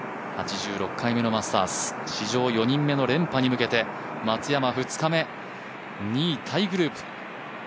８６回目のマスターズ、史上４人目の連覇に向けて松山、２日目、２位タイグループ。